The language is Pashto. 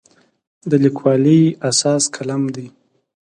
د لیکوالي اساس قلم دی.